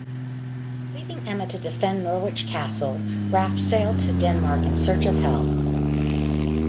Leaving Emma to defend Norwich Castle, Ralph sailed for Denmark in search of help.